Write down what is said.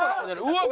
うわっ